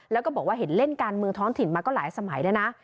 แล้วก็บอกว่าเห็นเล่นการเมืองท้องถิ่นมาก็หลายสมัยแล้วนะ